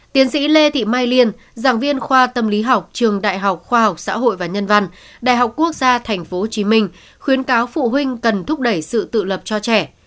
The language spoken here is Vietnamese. tiến sĩ lê thị mai liên giảng viên khoa tâm lý học trường đại học khoa học xã hội và nhân văn đại học quốc gia tp hcm khuyến cáo phụ huynh cần thúc đẩy sự tự lập cho trẻ